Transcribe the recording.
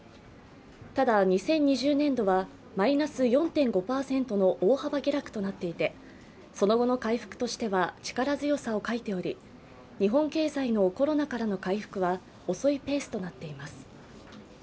ただ２０２０年度はマイナス４．５％の大幅下落となっていてその後の回復としては力強さを欠いており、日本経済のコロナからの回復は遅いペースとなっています。